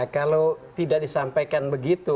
kalau tidak disampaikan begitu